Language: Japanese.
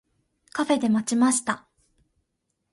カフェで待ちました。